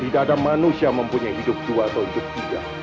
tidak ada manusia mempunyai hidup dua atau hidup tiga